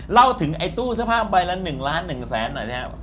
เล่าถึงไอ้ตู้เสื้อผ้าใบละ๑ล้าน๑แสนหน่อยนะครับ